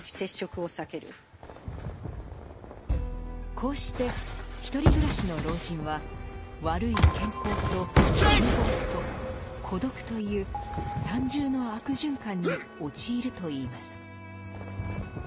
こうして独り暮らしの老人は「悪い健康と窮乏と孤独という三重の悪循環」に陥るといいます。